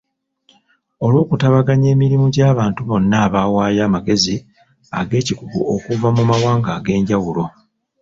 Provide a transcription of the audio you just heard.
Olw’okutabaganya emirimu gy’abantu bonna abawaayo amagezi ag’ekikugu okuva mu mawanga ag’enjawulo.